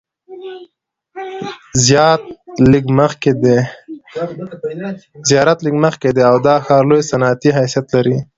زیارت لږ مخکې دی او دا ښار لوی صنعتي حیثیت لري.